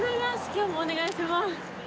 今日もお願いします